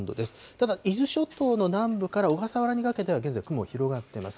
ただ、伊豆諸島の南部から小笠原にかけては現在、雲、広がってます。